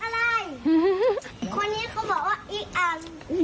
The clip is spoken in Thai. มันต้องจอดเกาะกรู